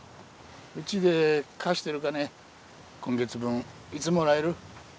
うちで貸してる金今月分いつもらえる？